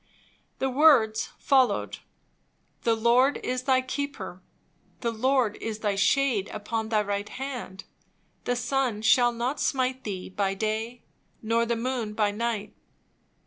The words followed, "The Lord is thy keeper: the Lord is thy shade upon thy right hand; the sun shall not smite thee by day, nor the moon by night.